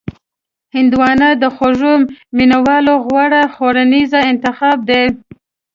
هندوانه د خوږو مینوالو غوره خوړنیز انتخاب دی.